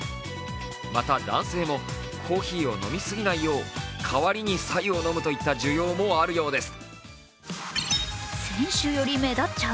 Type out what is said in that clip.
また、男性もコーヒーを飲みすぎないよう、代わりに白湯を飲むといった需要もあるようです。